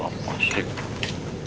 apa sih kak